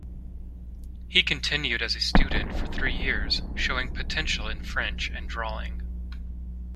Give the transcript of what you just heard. He continued as a student for three years, showing potential in French and drawing.